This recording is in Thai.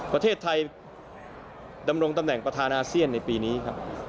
ประเทศไทยดำรงตำแหน่งประธานอาเซียนในปีนี้ครับ